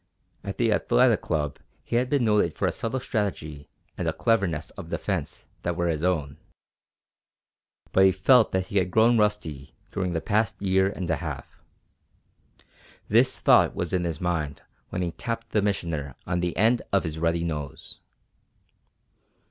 At the Athletic Club he had been noted for a subtle strategy and a cleverness of defence that were his own. But he felt that he had grown rusty during the past year and a half. This thought was in his mind when he tapped the Missioner on the end of his ruddy nose.